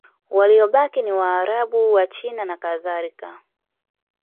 Waliobaki ni Waarabu, Wachina nakadhalika.